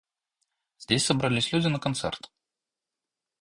Здесь собрались люди на концерт.